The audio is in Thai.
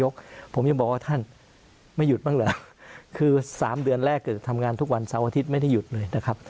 คือสามเดือนแรกทำงานทุกวันเสาร์อาทิตย์ไม่ได้หยุดเลยนะครับ